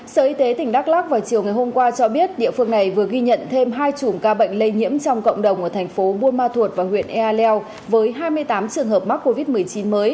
sở y tế tỉnh đắk lắc vào chiều ngày hôm qua cho biết địa phương này vừa ghi nhận thêm hai chủng ca bệnh lây nhiễm trong cộng đồng ở thành phố buôn ma thuột và huyện ea leo với hai mươi tám trường hợp mắc covid một mươi chín mới